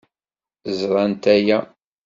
Ẓrant aya.